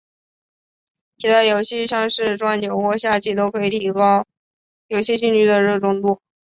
其他游戏像是撞球或下棋都可以提升游戏兴趣的热衷度。